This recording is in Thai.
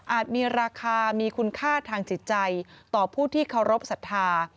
มีราคามีคุณค่าทางจิตใจต่อผู้ที่เคารพสัทธา